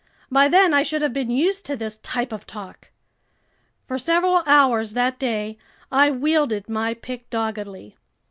By then I should have been used to this type of talk! For several hours that day, I wielded my pick doggedly.